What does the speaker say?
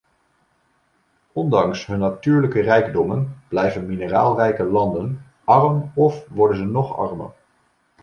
Ondanks hun natuurlijke rijkdommen blijven mineraalrijke landen arm of worden ze nog armer.